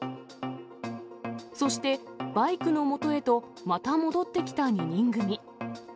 そして、バイクのもとへと、また戻ってきた２人組。